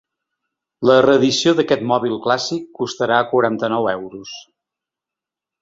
La reedició d’aquest mòbil clàssic costarà quaranta-nou euros.